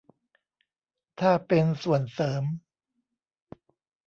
ถ้าเป็น "ส่วนเสริม"